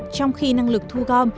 trong khi năng lực thu gom